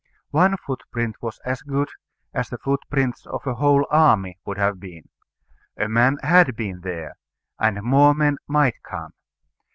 One footprint was as good as the footprints of a whole army would have been. A man had been there; and more men might come.